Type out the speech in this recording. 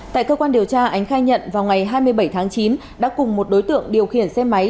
tại cơ quan điều tra ánh khai nhận vào ngày hai mươi bảy tháng chín đã cùng một đối tượng điều khiển xe máy